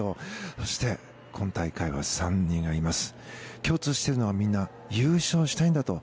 そして今大会は３人がいます。